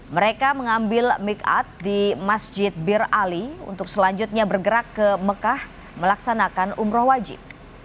mereka mengambil make up di masjid bir ali untuk selanjutnya bergerak ke mekah melaksanakan umroh wajib